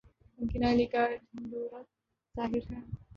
ان کی نااہلی کا ڈھنڈورا ظاہر ہے۔